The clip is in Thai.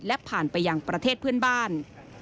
และผ่านไปยังประเทศเพื่อนบ้าน